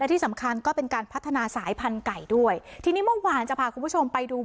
ที่สำคัญก็เป็นการพัฒนาสายพันธุ์ไก่ด้วยทีนี้เมื่อวานจะพาคุณผู้ชมไปดู